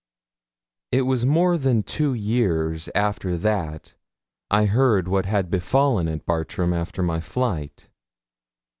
It was more than two years after that I heard what had befallen at Bartram after my flight.